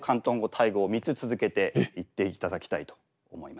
タイ語を３つ続けて言っていただきたいと思います。